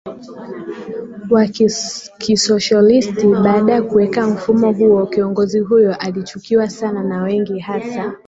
wa kisosholisti Baada ya kuweka mfumo huo kiongozi huyo alichukiwa sana na wengi hasa